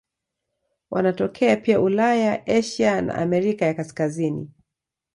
Wanatokea pia Ulaya, Asia na Amerika ya Kaskazini.